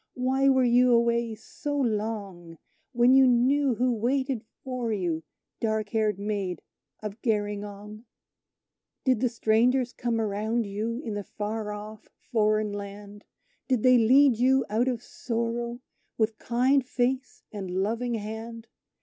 Why were you away so long, When you knew who waited for you, dark haired Maid of Gerringong? "Did the strangers come around you, in the far off foreign land? Did they lead you out of sorrow, with kind face and loving hand?